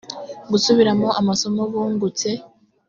gusubiramo amasomo bungutse